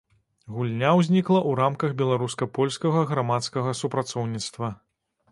Гульня ўзнікла ў рамках беларуска-польскага грамадскага супрацоўніцтва.